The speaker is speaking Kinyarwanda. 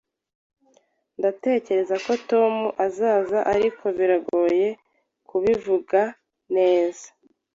Ndatekereza ko Tom azaza, ariko biragoye kubivuga neza